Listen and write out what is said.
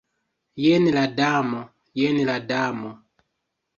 Jen la Damo, jen la Damo!